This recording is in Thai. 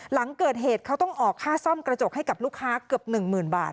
หลังเกิดเหตุเขาต้องออกค่าซ่อมกระจกให้กับลูกค้าเกือบ๑๐๐๐บาท